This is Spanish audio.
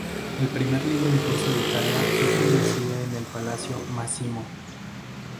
El primer libro impreso de Italia fue producido en el Palacio Massimo.